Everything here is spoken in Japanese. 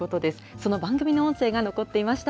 その番組の音声が残っていました。